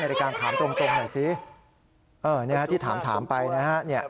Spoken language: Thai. นี่ครับที่ถามไปนะฮะ